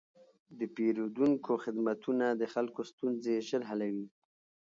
د پېرودونکو خدمتونه د خلکو ستونزې ژر حلوي.